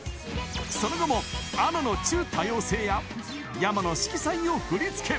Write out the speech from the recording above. その名も、ａｎｏのちゅ、多様性や、ｙａｍａの色彩を振り付け。